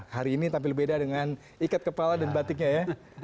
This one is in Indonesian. hari ini tampil beda dengan ikat kepala dan batiknya ya